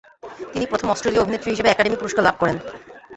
তিনি প্রথম অস্ট্রেলীয় অভিনেত্রী হিসেবে একাডেমি পুরস্কার লাভ করেন।